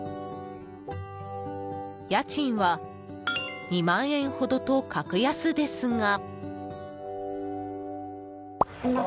家賃は２万円ほどと格安ですが。